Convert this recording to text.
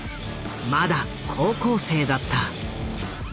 まだ高校生だった。